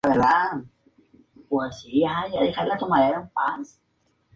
La empresa ha trasladado su sede central en varias ocasiones.